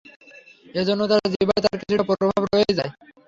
এ জন্য তাঁর জিহ্বায় তার কিছুটা প্রভাব রয়েই যায়।